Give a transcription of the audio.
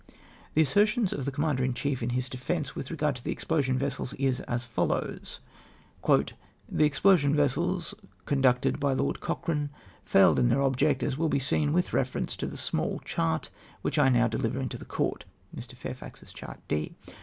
The assertion of the Commander in chief in his defence, with regard to the explosion vessels, is as follows :—■" The explosion vessels, conducted by Lord Cochrane, failed in tJieir object, as will be seen with reference to the small chart which I now deliver into Court. (Mr. Fairfax's chart D.)